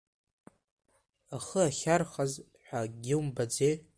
Ахы ахьархаз ҳәа акгьы умбаӡеи?